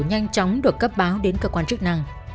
nhanh chóng được cấp báo đến cơ quan chức năng